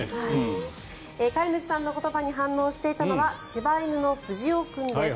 飼い主さんの言葉に反応していたのは柴犬の富士お君です。